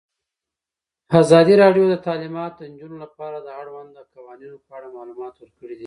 ازادي راډیو د تعلیمات د نجونو لپاره د اړونده قوانینو په اړه معلومات ورکړي.